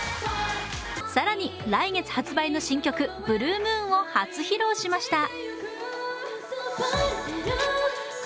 更に、来月発売の新曲「ＢｌｕｅＭｏｏｎ」を初披露しました。